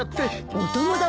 お友達？